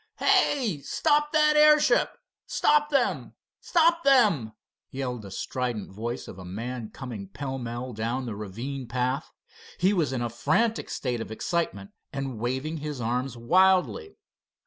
"Hey, stop the airship! Stop them! Stop them!" yelled the strident voice of a man coming pell mell down the ravine path. He was in a frantic state of excitement and waving his arms wildly.